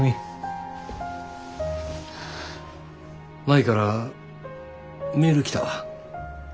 舞からメール来たわ。